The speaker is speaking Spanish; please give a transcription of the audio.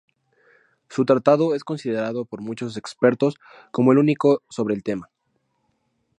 Su tratado es considerado por muchos expertos como el único sobre el tema.